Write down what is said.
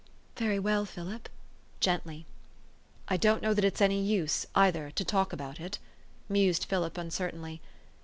" Very well, Philip," gently. " I don't know that it's of any use, either, to talk about it," mused Philip uncertainly.